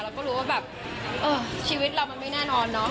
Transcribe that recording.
เราก็รู้ว่าแบบเออชีวิตเรามันไม่แน่นอนเนาะ